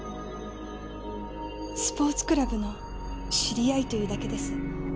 スポーツクラブの知り合いというだけです。